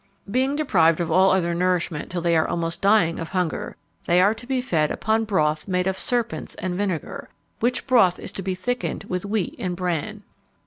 Being deprived of all other nourishment till they are almost dying of hunger, they are to be fed upon broth made of serpents and vinegar, which broth is to be thickened with wheat and bran."